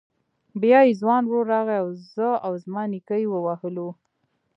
بيا يې ځوان ورور راغی زه او زما نيکه يې ووهلو.